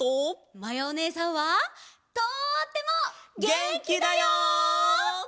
まやおねえさんはとっても。げんきだよ！